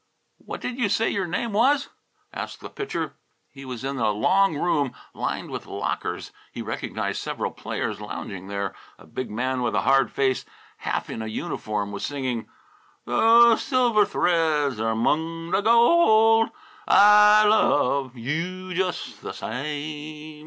"What did you say your name was?" asked the Pitcher. He was in a long room lined with lockers. He recognized several players lounging there. A big man with a hard face, half in a uniform, was singing, "Though Silver Threads Are 'Mong the Gold, I Love You Just the Same."